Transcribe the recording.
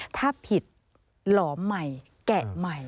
ถ้าผิดหลอมใหม่แกะใหม่